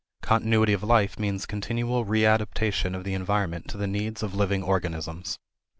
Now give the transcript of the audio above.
Continuity of life means continual readaptation of the environment to the needs of living organisms.